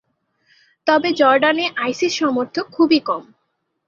তবে জর্ডানে আইসিস সমর্থক খুবই কম।